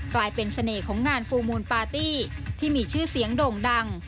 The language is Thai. กลายเป็นเสน่ห์ของงานฟูลมูลปาร์ตี้ที่มีชื่อเสียงโด่งดัง